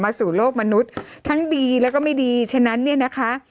สู่โลกมนุษย์ทั้งดีแล้วก็ไม่ดีฉะนั้นเนี่ยนะคะ